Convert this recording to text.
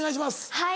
はい。